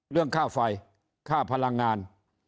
เรื่องค่าไฟค่าพลังงาน